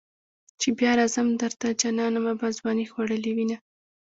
چې بیا راځم درته جانانه ما به ځوانی خوړلې وینه.